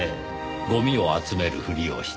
ごみを集めるふりをして。